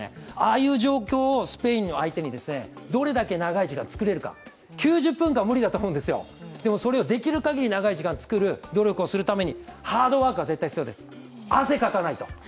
ああいう状況をスペインを相手にどれだけ長い時間作れるか９０分間は無理だと思うんですよ、でも、それをできる限り長い時間作るために努力をするためにハードワークは必要です。